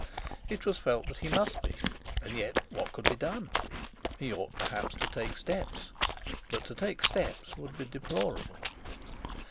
It was felt that he must be, and yet, what could be done? He ought perhaps to take steps; but to take steps would be deplorable.